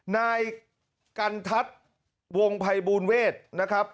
นายกันทัศน์วงภัยบูลเวทนะครับ